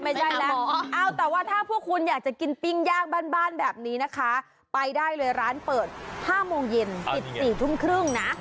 ไม่ใช่แล้วแต่ว่าถ้าของคุณที่อยากกินปิ้งย่างบ้านแบบนี้นะคะไปได้เลยร้านเปิด๕โมง๒๕น